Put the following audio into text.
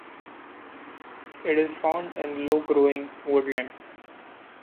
It is found in low-growing woodland.